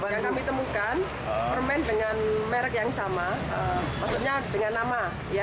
yang kami temukan permen dengan merek yang sama maksudnya dengan nama